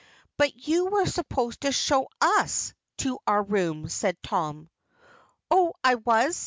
"But you were supposed to show us to our rooms," said Tom. "I was?